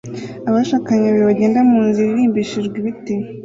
Abashakanye babiri bagenda munzira irimbishijwe ibiti